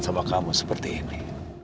sama kamu seperti ini